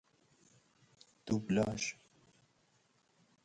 دو بلاژ